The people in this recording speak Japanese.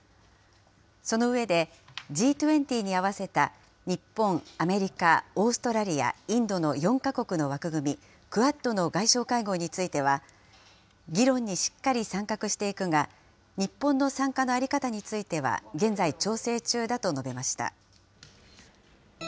その上で、Ｇ２０に合わせた日本、アメリカ、オーストラリア、インドの４か国の枠組み・クアッドの外相会合については、議論にしっかり参画していくが、日本の参加の在り方については、現在調整中だと述べました。